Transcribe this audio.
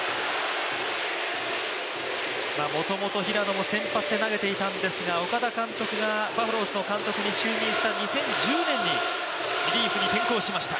もともと平野も先発で投げていたんですが岡田監督がバファローズの監督に就任した２０１０年にリリーフに転向しました。